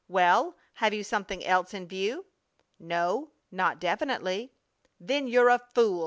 "Well, have you something else in view?" "No, not definitely." "Then you're a fool!"